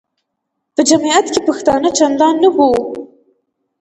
په جمیعت کې پښتانه چندان نه وو.